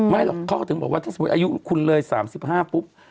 หรอกเขาก็ถึงบอกว่าถ้าสมมุติอายุคุณเลย๓๕ปุ๊บ